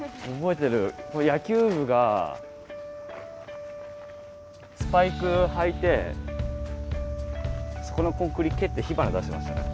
ここ野球部がスパイク履いてそこのコンクリ蹴って火花出してましたね。